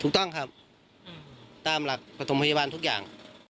ถูกต้องครับตามหลักปฐมพยาบาลทุกอย่าง